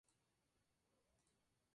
Activo en Austria.